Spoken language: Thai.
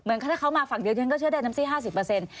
เหมือนถ้าเขามาฝั่งเดียวฉันก็เชื่อได้เต็มที่๕๐เปอร์เซ็นต์